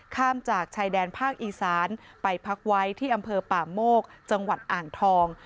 ข้ามจากชายแดนภาคอีสานไปพักไว้ที่อำเภอป่าโมกจังหวัดอ่างทอง